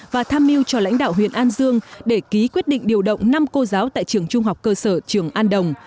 và tham mưu cho lãnh đạo huyện an dương để ký quyết định điều động năm cô giáo tại trường trung học cơ sở trường an đồng